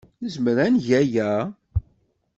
Nezmer ad neg aya?